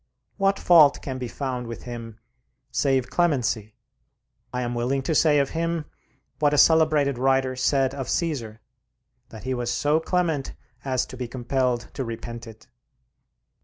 What fault can be found with him, save clemency? I am willing to say of him what a celebrated writer said of Cæsar, that he was so clement as to be compelled to repent it.